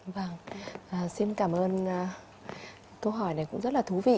vâng xin cảm ơn câu hỏi này cũng rất là thú vị